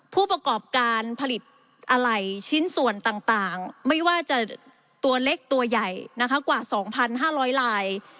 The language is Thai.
ผู้ประกอบการผลิตอะไรชิ้นส่วนต่างไม่ว่าจะตัวเล็กตัวใหญ่นะคะกว่า๒๕๐๐ลาย